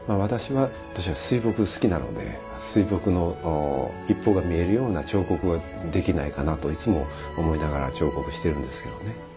私は水墨好きなので水墨の一方が見えるような彫刻ができないかなといつも思いながら彫刻してるんですけどね。